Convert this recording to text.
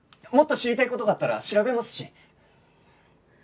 もっと知りたい事があったら調べますし！